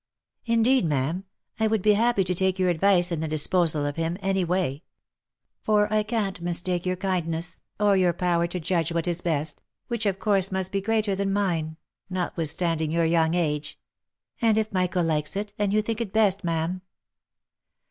" Indeed, ma'am, I would be happy to take your advice in the dis posal of him any way ; for I can't mistake your kindness, or your power to judge what is best, which of course must be greater than mine, notwithstanding your young age — and if Michael likes it, and you think it best, ma'am."